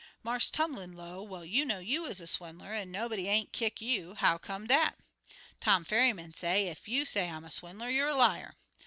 Marse Tumlin low, 'Well, you know you is a swindler, an' nobody ain't kick you. How come dat?' Tom Ferryman say, 'Ef you say I'm a swindler, you're a liar.'